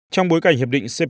trong bối cảnh hiệp định cp